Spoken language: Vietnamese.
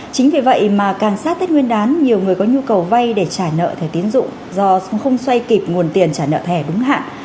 chính vì vậy mà càng sát tết nguyên đán nhiều người có nhu cầu vay để trả nợ thẻ tiến dụng do không xoay kịp nguồn tiền trả nợ thẻ đúng hạn